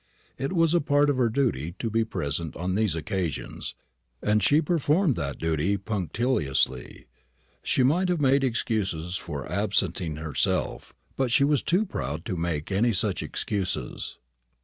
It was a part of her duty to be present on these occasions, and she performed that duty punctiliously. She might have made excuses for absenting herself, but she was too proud to make any such excuses.